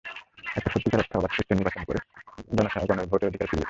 একটি সত্যিকার অর্থে অবাধ, সুষ্ঠু নির্বাচন করে জনগণের ভোটের অধিকার ফিরিয়ে দিন।